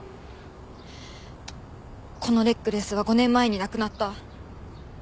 このネックレスは５年前に亡くなった。